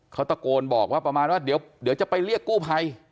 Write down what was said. เขาตะโกนบอกว่าประมาณว่าเดี๋ยวจะไปเรียกกู้ภัย